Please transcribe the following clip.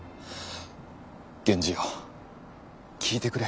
源氏よ聞いてくれ。